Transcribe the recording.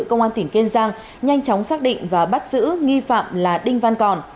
công an tỉnh kiên giang nhanh chóng xác định và bắt giữ nghi phạm là đinh văn còn